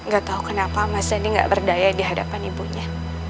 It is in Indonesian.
gak tahu kenapa mas ini nggak berdaya di hadapan ibunya